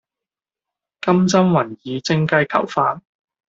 金針雲耳蒸雞球飯